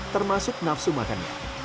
termasuk nafsu makanannya